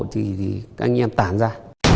thì anh em tản ra